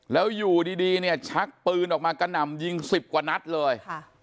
แล้วอยู่ดีเนี่ยชักปืนออกมากระหน่ำยิง๑๐กว่านัดเลย